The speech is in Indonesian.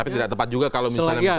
tapi tidak tepat juga kalau misalnya